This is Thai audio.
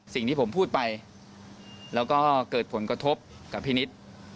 สิ่งที่ผมพูดไปแล้วก็เกิดผลกระทบกับพี่นิด